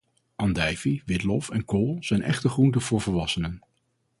Andijvie, witlof en kool zijn echt groente voor volwassenen.